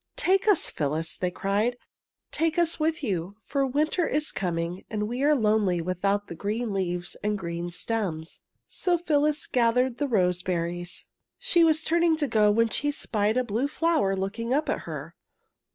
" Take us, Phyllis! '' they cried. " Take us with you, for winter is coming and we are lonely without the green leaves and green stems! " So Phyllis gathered the rose berries. She was turning to go when she spied a blue flower looking up at her.